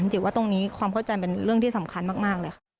จริงว่าตรงนี้ความเข้าใจเป็นเรื่องที่สำคัญมากเลยค่ะ